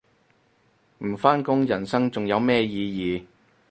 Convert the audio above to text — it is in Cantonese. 唔返工人生仲有咩意義